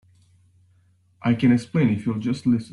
I can explain if you'll just listen.